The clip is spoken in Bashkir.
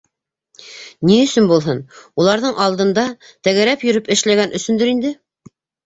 — Ни өсөн булһын, уларҙың алдында тәгәрәп йөрөп эшләгән өсөндөр инде.